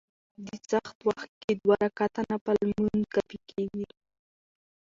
د څاښت وخت کي دوه رکعته نفل لمونځ کافي کيږي